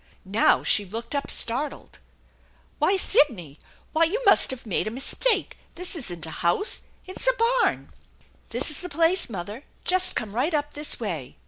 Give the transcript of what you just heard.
Now she looked up startled. "Why, Sidney! Why, you must have made a mistake! This isn't a house ; it is a barn !"" This is the place, mother. Just come right up this way."